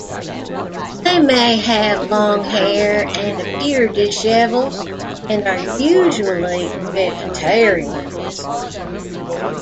They may have long hair and appear disheveled, and are usually vegetarians.